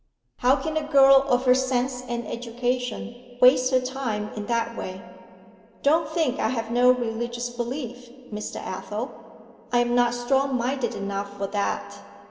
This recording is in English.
How can a girl of her sense and education waste her time in that way? Don't think I have no religious belief, Mr. Athel; I'm not strong minded enough for that.